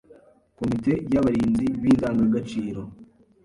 Komite y’abarinzi b’indangagaciro